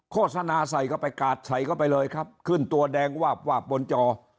โฆษณาใส่เข้าไปกาดใส่เข้าไปเลยครับขึ้นตัวแดงวาบวาบบนจอ